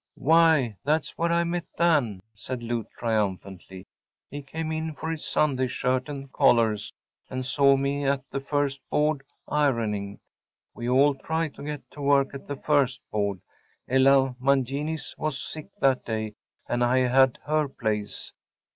‚ÄĚ “Why, that’s where I met Dan,‚ÄĚ said Lou, triumphantly. “He came in for his Sunday shirt and collars and saw me at the first board, ironing. We all try to get to work at the first board. Ella Maginnis was sick that day, and I had her place.